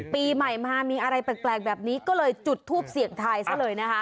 ปีใหม่มามีอะไรแปลกแบบนี้ก็เลยจุดทูปเสี่ยงทายซะเลยนะคะ